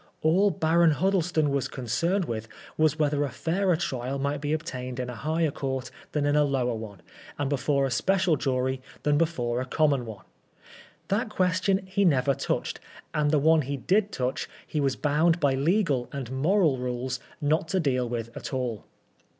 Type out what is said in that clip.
All Baron Huddleston was concerned with was whether a fairer trial might be obtained in a higher Court than in a lower one, and before a special jury than before a common one. That question he never touched, and the one he did touch he was bound by legal and moral rules not to deal with at all.